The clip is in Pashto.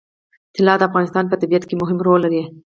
طلا د افغانستان په طبیعت کې مهم رول لري.